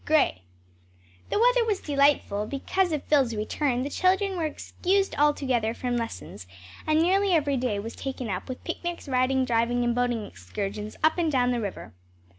GRAY. The weather was delightful: because of Phil's return the children were excused altogether from lessons and nearly every day was taken up with picnics, riding, driving and boating excursions up and down the river.